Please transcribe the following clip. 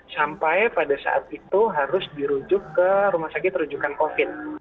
sampai pada saat itu harus dirujuk ke rumah sakit rujukan covid